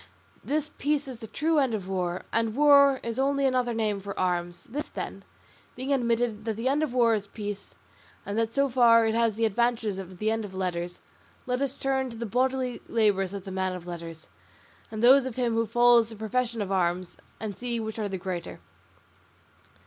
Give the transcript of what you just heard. This peace is the true end of war; and war is only another name for arms. This, then, being admitted, that the end of war is peace, and that so far it has the advantage of the end of letters, let us turn to the bodily labours of the man of letters, and those of him who follows the profession of arms, and see which are the greater."